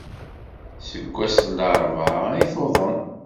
Seg wass n laṛebɛa ay tuḍen.